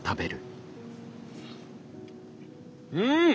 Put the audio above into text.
うん！